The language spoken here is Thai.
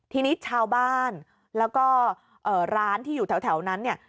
ทีนี้ชาวบ้านแล้วก็ร้านที่อยู่แถวนั้นเนี่ย